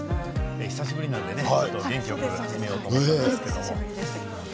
久しぶりなんで元気よく始めようと思いましたけれども。